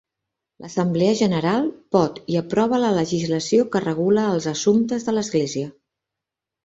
L'Assemblea General pot i aprova la legislació que regula els assumptes de l'església.